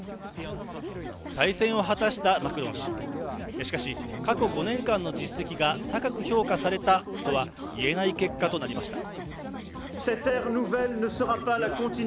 再選を果たしたマクロン氏しかし過去５年間の実績が高く評価されたとは言えない結果となりました